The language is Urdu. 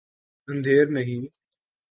اندھیر نہیں۔